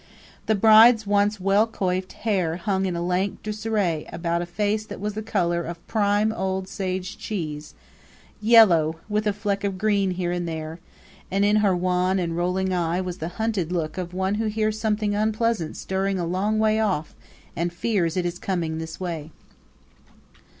The bride's once well coifed hair hung in lank disarray about a face that was the color of prime old sage cheese yellow, with a fleck of green here and there and in her wan and rolling eye was the hunted look of one who hears something unpleasant stirring a long way off and fears it is coming this way.